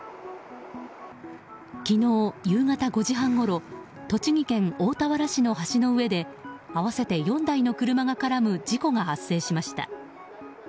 昨日夕方５時半ごろ栃木県大田原市の橋の上で合わせて４台の車が絡む事故が発生しました。